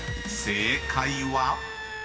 ［正解は⁉］